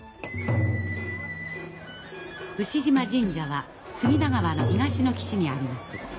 牛嶋神社は隅田川の東の岸にあります。